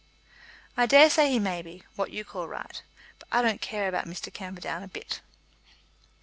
"I daresay he may be what you call right. But I don't care about Mr. Camperdown a bit."